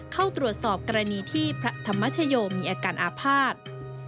เข้าตรวจสอบกรณีที่พระธรรมชโยมีอาการอาภาษณ์